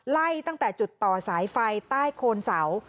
ไล่ตั้งแต่จุดต่อสายไฟใต้โคนเสา